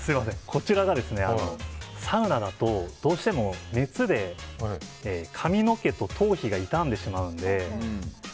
こちらが、サウナだとどうしても熱で髪の毛と頭皮が傷んでしまうので。